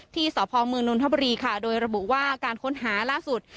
ที่สพมนธัมบุรีโดยระบุว่าการค้นหาล่าสุด